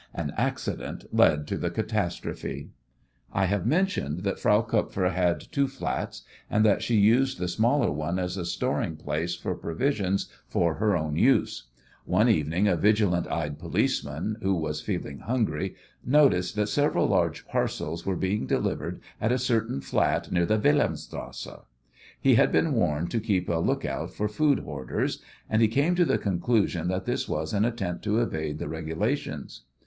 An accident led to the catastrophe. I have mentioned that Frau Kupfer had two flats, and that she used the smaller one as a storing place for provisions for her own use. One evening a vigilant eyed policeman, who was feeling hungry, noticed that several large parcels were being delivered at a certain flat near the Wilhelmstrasse. He had been warned to keep a look out for food hoarders, and he came to the conclusion that this was an attempt to evade the regulations.